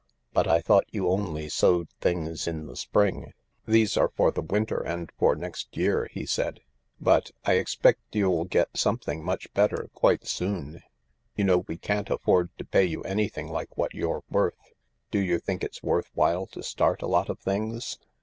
But I thought you only sowed things in the spring ?" "These are for the winter and for next year," he said. " But— I expect you'll get something much better quite THE LARK 171 soon. You know we can't afford to pay you anything like what you're worth. Do you think it's worth while to start a lot of things